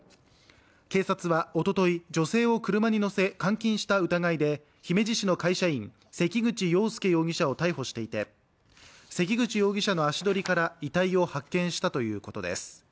警察はおととい、女性を車に乗せ監禁した疑いで姫路市の会社員、関口羊佑容疑者を逮捕していて関口容疑者の足取りから遺体を発見したということです。